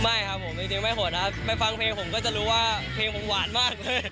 ไม่ครับผมจริงไม่หดครับไปฟังเพลงผมก็จะรู้ว่าเพลงผมหวานมากเลย